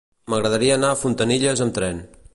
M'agradaria anar a Fontanilles amb tren.